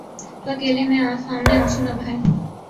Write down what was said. تو اکیلے میں، سامنے آنسو نہ بہائے۔